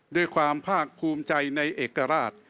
ด้วยความภาคภูมิใจในเอกราช